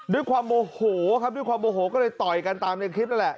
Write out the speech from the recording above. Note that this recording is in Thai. ด้วยความโมโหครับด้วยความโอโหก็เลยต่อยกันตามในคลิปนั่นแหละ